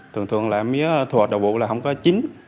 thường thường là mía thu hoạch đầu vụ là không có chín